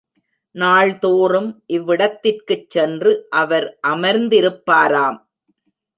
நாள்தோறும் இவ்விடத்திற்குச் சென்று அவர் அமர்ந்திருப்பாராம்.